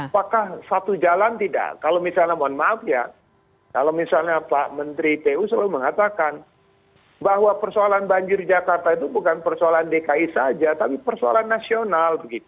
apakah satu jalan tidak kalau misalnya mohon maaf ya kalau misalnya pak menteri pu selalu mengatakan bahwa persoalan banjir jakarta itu bukan persoalan dki saja tapi persoalan nasional